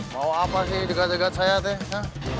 mau apa sih dekat dekat saya teh